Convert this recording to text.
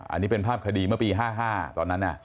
อันนี้เป็นภาพคดีเมื่อปี๕๕ตอนนั้น